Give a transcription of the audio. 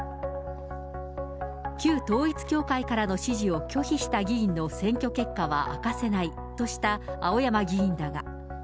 旧統一教会からの支持を拒否した議員の選挙結果は明かせないとした、青山議員だが。